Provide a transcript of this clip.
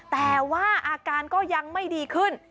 แต่ว่าอาการก็ยังไม่ดีขึ้น